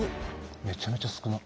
めちゃめちゃ少ない。